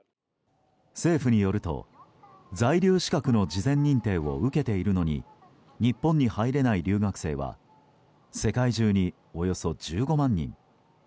政府によると、在留資格の事前認定を受けているのに日本に入れない留学生は世界中に、およそ１５万人。